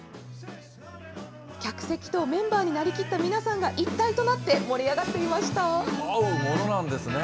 客席とメンバーになりきった皆さんが一体となって盛り上がってい合うものなんですね。